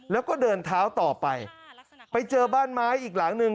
แล้วก็เดินเท้าต่อไปไปเจอบ้านไม้อีกหลังหนึ่ง